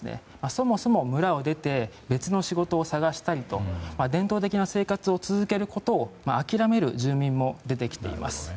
そもそも村を出て別の仕事を探したりと伝統的な生活を続けることを諦める住民も出てきています。